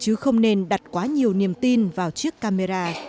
chứ không nên đặt quá nhiều niềm tin vào chiếc camera